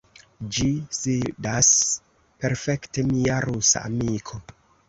Ĝi sidas perfekte, mia rusa amiko.